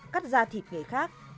cắt ra thịt nghề khác